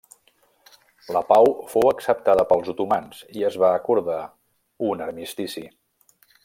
La pau fou acceptada pels otomans i es va acordar un armistici.